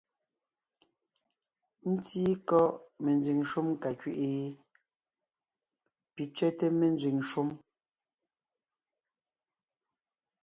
Ńtíí kɔ́ menzẅìŋ shúm ka kẅí’i ? Pì tsẅɛ́té ménzẅìŋ shúm.